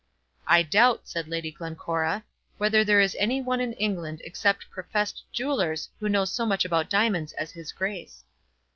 "I doubt," said Lady Glencora, "whether there is any one in England except professed jewellers who knows so much about diamonds as his grace."